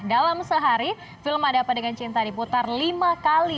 dalam sehari film ada apa dengan cinta diputar lima kali